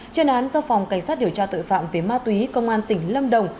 chuyên án do phòng cảnh sát điều tra tội phạm về ma túy công an tỉnh lâm đồng